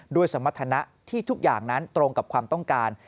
สมรรถนะที่ทุกอย่างนั้นตรงกับความต้องการ